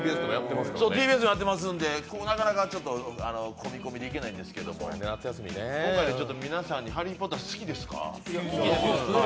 ＴＢＳもやってますんで、ここはなかなか混み混みで行けないんですけど今回、皆さんに、ハリー・ポッター、好きですか？